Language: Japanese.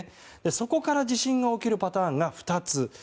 そこから地震が起きるパターンが２つ。